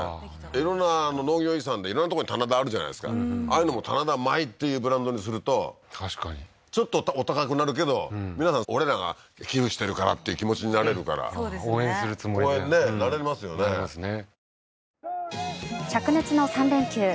色んな農業遺産で色んな所に棚田あるじゃないですかああいうのも「棚田米」っていうブランドにすると確かにちょっとお高くなるけど皆さん俺らが寄付してるからっていう気持ちになれるから応援するつもりで応援ねなりますよねなりますね